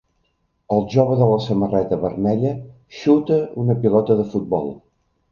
El jove de la samarreta vermella xuta una pilota de futbol.